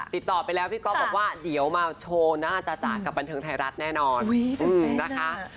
ติดต่อไปแล้วพี่ก๊อฟบอกว่าเดี๋ยวมาโชว์หน้าจ๋ากับบันเทิงไทยรัฐแน่นอนนะคะ